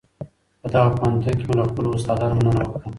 په دغه پوهنتون کي مي له خپلو استادانو مننه وکړه.